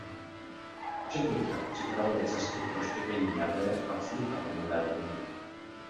Chadwick tak připravil cestu pro štěpení jader a vznik atomové bomby.